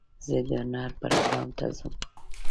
زه د هنر پروګرام ته ځم.